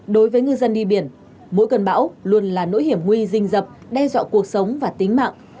đối với ngư dân đi biển mỗi cơn bão luôn là nỗi hiểm nguy rình dập đe dọa cuộc sống và tính mạng